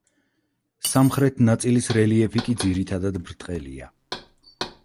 სამხრეთ ნაწილის რელიეფი კი ძირითადად ბრტყელია.